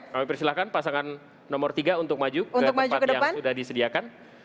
kami persilahkan pasangan nomor tiga untuk maju ke tempat yang sudah disediakan